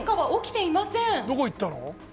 どこいったの。